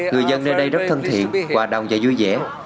người dân nơi đây rất thân thiện hòa đồng và vui vẻ